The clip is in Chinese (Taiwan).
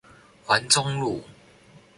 環中路